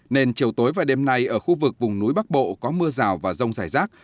nên chiều tối và đêm nay ở khu vực vùng núi bắc bộ có mưa rào và rông rải rác